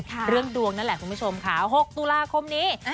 เรื่องดวงนั่นแหละคุณผู้ชมค่ะ๖ตุลาคมนี้